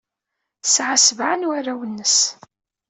Tesɛa sebɛa n warraw-nnes.